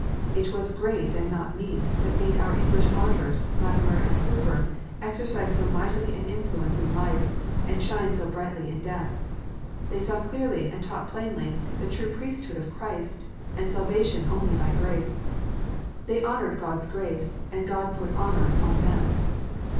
It was " grace, and not meats," that made our English martyrs, Latimer and Hooper, exercise so mighty an influence in life, and shine so brightly in death. They saw clearly, and taught plainly, the true priesthood of Christ, and salvation only by grace. They honoured God s grace, and God put honour on them.